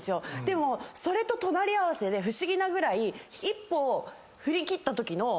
でもそれと隣り合わせで不思議なぐらい一歩を振り切ったときの。